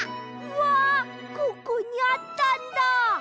うわここにあったんだ！